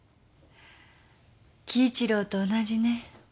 輝一郎と同じね。